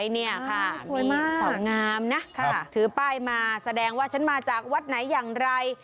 นี่ค่ะสวยมากสาวงามนะถือป้ายมาแสดงว่าฉันมาจากวัดไหนอย่างไร